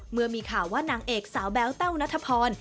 เมื่อมีข่าวว่านางเอกสาวแบ๊วแต้วนัทพร